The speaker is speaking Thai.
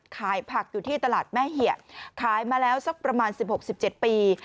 ขายผักอยู่ที่ตลาดแม่เหี่ยขายมาแล้วสักประมาณ๑๖๑๗ปี